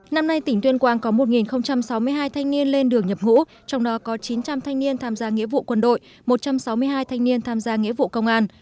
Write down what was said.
năm nay tỉnh tuyên quang có một sáu mươi hai thanh niên lên đường nhập ngũ trong đó có chín trăm linh thanh niên tham gia nghĩa vụ quân đội một trăm sáu mươi hai thanh niên tham gia nghĩa vụ công an